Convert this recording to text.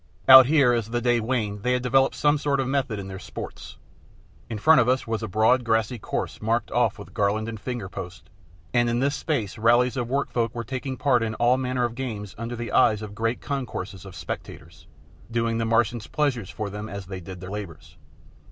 Out here as the day waned they had developed some sort of method in their sports. In front of us was a broad, grassy course marked off with garlanded finger posts, and in this space rallies of workfolk were taking part in all manner of games under the eyes of a great concourse of spectators, doing the Martians' pleasures for them as they did their labours.